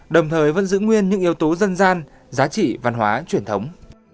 đồng thời vẫn giữ nguyên những yếu tố dân gian giá trị văn hóa truyền thống